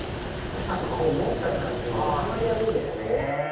あと持った感じも収まりがいいですね。